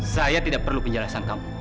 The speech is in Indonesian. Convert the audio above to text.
saya tidak perlu penjelasan kamu